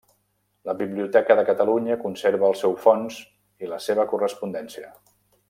La Biblioteca de Catalunya conserva el seu fons i la seva correspondència.